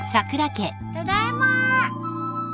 ただいま。